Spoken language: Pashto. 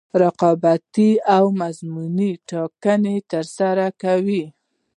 رقابتي او منظمې ټاکنې ترسره کوي.